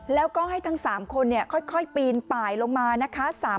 แล้วก็ให้ทั้ง๓คนค่อยปีนป่ายลงมานะคะ